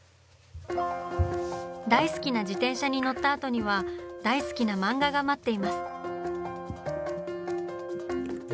大好きな自転車に乗った後には大好きな漫画が待っています。